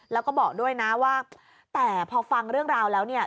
แล้วก็บอกด้วยนะว่าแต่พอฟังเรื่องราวแล้วเนี่ย